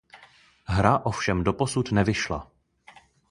Hra ovšem doposud nevyšla.